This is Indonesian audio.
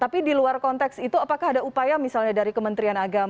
tapi di luar konteks itu apakah ada upaya misalnya dari kementerian agama